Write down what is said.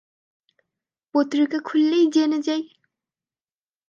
পত্রিকা খুললেই জেনে যাই।